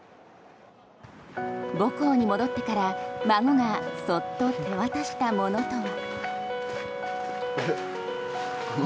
母校に戻ってから孫がそっと手渡したものとは。